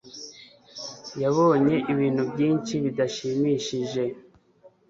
yabonye ibintu byinshi bidashimishije